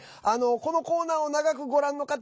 このコーナーを長くご覧の方